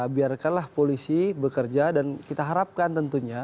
biarkanlah polisi bekerja dan kita harapkan tentunya